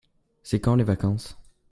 C'est quand les vacances ?